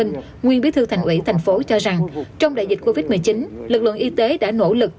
nguyên bí thư thành ủy thành phố cho rằng trong đại dịch covid một mươi chín lực lượng y tế đã nỗ lực